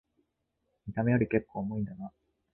見た目よりけっこう重いんだな